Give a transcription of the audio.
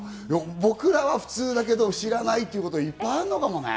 僕らは普通だけど知らないということはいっぱいあるのかもね。